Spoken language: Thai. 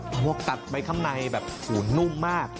เพราะว่ากัดไปข้างในแบบหนุ่มมาก